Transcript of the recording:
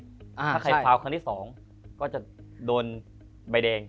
ถ้าใครฟาวครั้งที่๒ก็จะโดนใบแดง